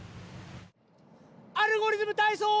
「アルゴリズムたいそう」！